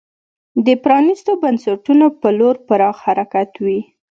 د پرانیستو بنسټونو په لور پراخ حرکت وي.